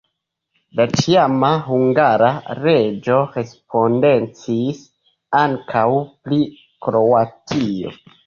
La ĉiama hungara reĝo respondecis ankaŭ pri Kroatio.